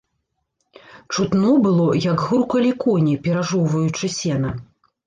Чутно было, як грукалі коні, перажоўваючы сена.